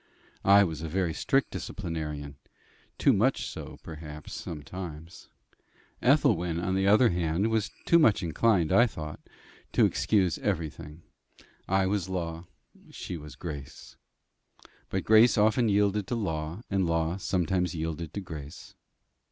I was a very strict disciplinarian too much so, perhaps, sometimes: Ethelwyn, on the other hand, was too much inclined, I thought, to excuse everything. I was law, she was grace. But grace often yielded to law, and law sometimes yielded to grace.